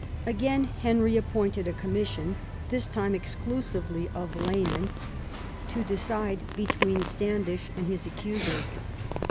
Again Henry appointed a commission, this time exclusively of laymen, to decide between Standish and his accusers.